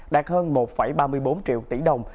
đạt hơn một ba mươi bốn triệu tỷ đồng